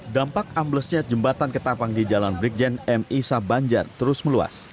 dampak amblesnya jembatan ketapang di jalan brikjen misa banjar terus meluas